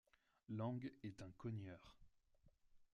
Lang est un cogneur.